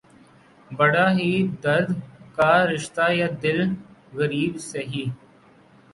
بڑا ہے درد کا رشتہ یہ دل غریب سہی